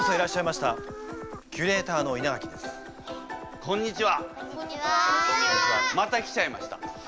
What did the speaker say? また来ちゃいました。